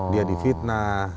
dia di fitnah